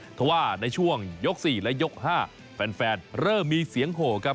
เพราะว่าในช่วงยก๔และยก๕แฟนเริ่มมีเสียงโหครับ